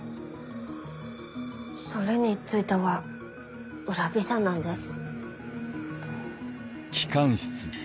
それについては浦辺さんなんです。